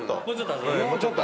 もうちょっと。